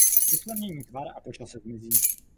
Rychle mění tvar a po čase zmizí.